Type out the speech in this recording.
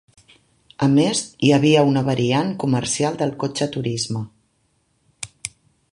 A més, hi havia una variant comercial del cotxe turisme.